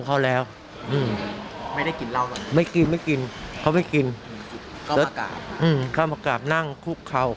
แม่หูหูป้องว่า